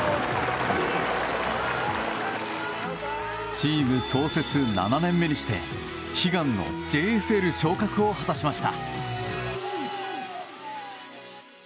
チーム創設７年目にして悲願のＪＦＬ昇格を果たしました。